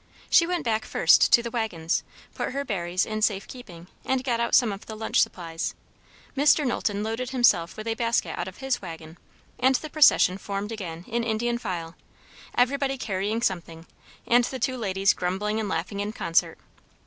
She went back first to the waggons; put her berries in safe keeping, and got out some of the lunch supplies. Mr. Knowlton loaded himself with a basket out of his waggon; and the procession formed again in Indian file, everybody carrying something, and the two ladies grumbling and laughing in concert.